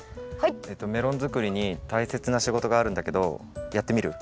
メロン作りに大切な仕事があるんだけどやってみる？